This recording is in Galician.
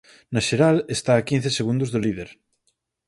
Na xeral está a quince segundos do líder.